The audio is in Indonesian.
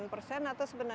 pernah sebut lagi